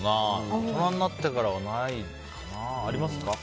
大人になってからはないかな。ありますか？